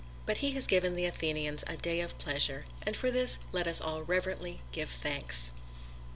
But he has given the Athenians a day of pleasure, and for this let us all reverently give thanks.